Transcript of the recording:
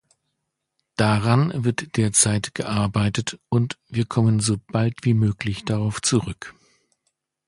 Daran wird derzeit gearbeitet, und wir kommen so bald wie möglich darauf zurück.